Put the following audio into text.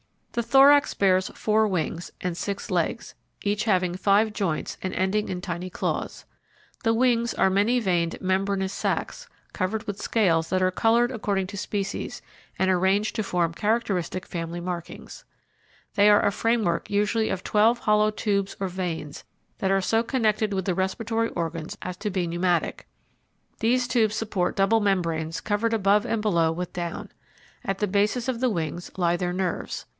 The thorax bears four wings, and six legs, each having five joints and ending in tiny claws. The wings are many veined membranous sacs, covered with scales that are coloured according to species and arranged to form characteristic family markings. They are a framework usually of twelve hollow tubes or veins that are so connected with the respiratory organs as to be pneumatic. These tubes support double membranes covered above and below with down. At the bases of the wings lie their nerves.